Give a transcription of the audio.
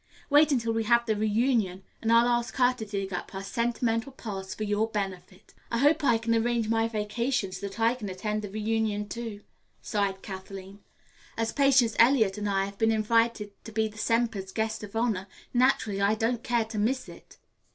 Wait until we have the reunion and I'll ask her to dig up her sentimental past for your benefit." "I hope I can arrange my vacation so that I can attend the reunion, too," sighed Kathleen. "As Patience Eliot and I have been invited to be the Sempers' guests of honor, naturally I don't care to miss it."